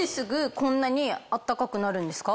こんなに暖かくなるんですか？